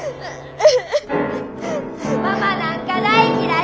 ママなんか大嫌い！